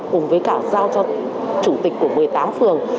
cùng với cả giao cho chủ tịch của một mươi tám phường